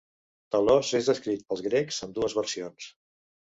Talos es descrit pels grecs amb dues versions.